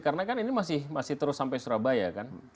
karena kan ini masih terus sampai surabaya kan